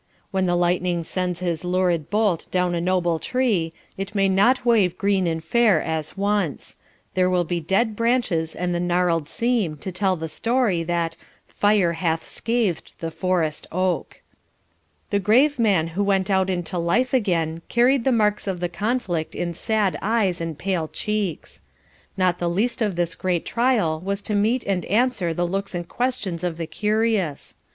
When the lightning sends his lurid bolt down a noble tree, it may not wave green and fair as once; there will be dead branches and the gnarled seam to tell the story that "Fire hath scathed the forest oak." The grave man who went out into life again carried the marks of the conflict in sad eyes and pale cheeks. Not the least of this great trial was to meet and answer the looks and questions of the curious.